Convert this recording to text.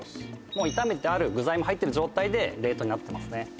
もう炒めてある具材も入ってる状態で冷凍になってますね